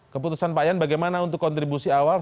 keputusan pak yan bagaimana untuk kontribusi awal